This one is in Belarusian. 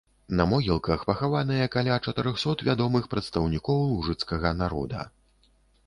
На могілках пахаваныя каля чатырохсот вядомых прадстаўнікоў лужыцкага народа.